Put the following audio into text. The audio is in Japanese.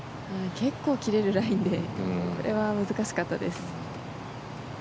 結構切れるラインでこれは難しかったです。